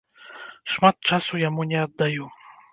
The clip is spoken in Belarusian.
Шмат часу яму не аддаю.